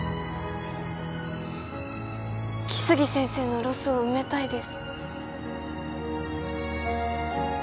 来生先生のロスを埋めたいです